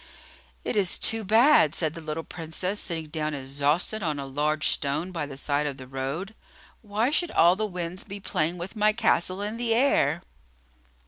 "It is too bad!" said the little Princess, sitting down exhausted on a large stone by the side of the road. "Why should all the winds be playing with my castle in the air?"